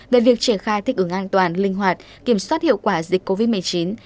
về việc triển khai thích ứng an toàn linh hoạt kiểm soát hiệu quả dịch covid một mươi chín